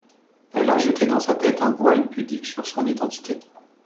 elle a jeté dans sa tête un voile pudique sur son identité.